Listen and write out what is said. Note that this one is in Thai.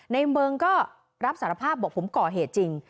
ในเมืองก็รับสารภาพบอกผมก่อเหตุจริง